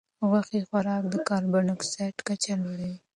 غوښې خوراک د کاربن ډای اکسایډ کچه لوړوي.